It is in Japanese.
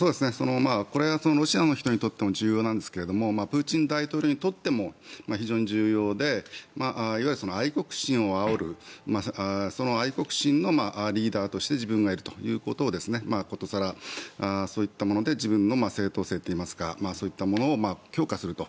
これはロシアの人にとっても重要なんですがプーチン大統領にとっても非常に重要でいわゆる愛国心をあおるその愛国心のリーダーとして自分がいるということを殊更、そういったもので自分の正当性といいますかそういったものを強化すると。